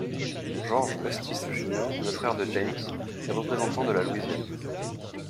George Eustis, Jr., le frère de James, est représentant de la Louisiane.